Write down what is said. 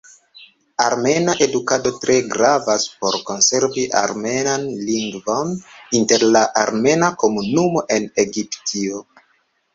Armena edukado tre gravas por konservi armenan lingvon inter la armena komunumo en Egiptio.